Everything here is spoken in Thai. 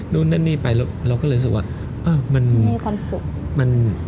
นู่นนี่นี่ไปแล้วเราก็เลยรู้สึกว่า